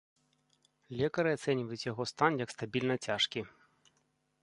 Лекары ацэньваюць яго стан як стабільна цяжкі.